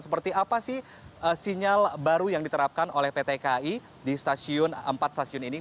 seperti apa sih sinyal baru yang diterapkan oleh pt kai di stasiun empat stasiun ini